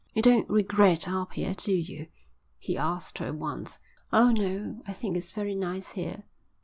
"You don't regret Apia, do you?" he asked her once. "Oh, no I think it's very nice here."